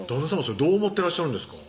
それどう思ってらっしゃるんですか？